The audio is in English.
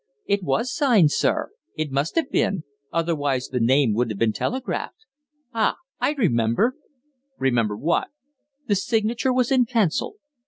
"It was signed, sir. It must have been. Otherwise the name wouldn't have been telegraphed. Ah I remember!" "Remember what?" "The signature was in pencil.